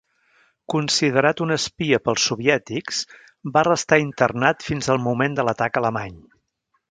Considerat un espia pels soviètics, va restar internat fins al moment de l'atac alemany.